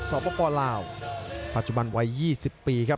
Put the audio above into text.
สปลาวปัจจุบันวัย๒๐ปีครับ